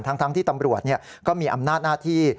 ทั้งที่ตำรวจก็มีอำนาจหน้าที่